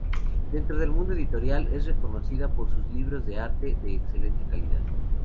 Dentro del mundo editorial, es reconocida por sus libros de arte de excelente calidad.